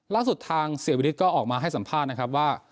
ล่าสุดทางเสียวิริตก็ออกมาให้สัมภาษณ์นะครับว่า